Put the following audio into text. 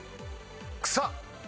草。